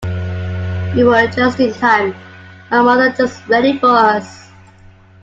We were just in time; my mother just ready for us.